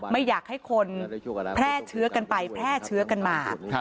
ไม่อยากให้คนแพร่เชื้อกันไปแพร่เชื้อกันมา